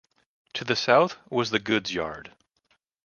To the south was the goods yard.